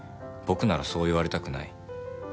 僕ならそう言われたくない。